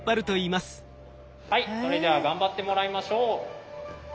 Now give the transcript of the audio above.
はいそれでは頑張ってもらいましょう。